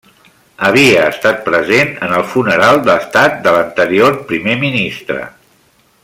Havia estat present en el funeral d'estat de l'anterior Primer Ministre.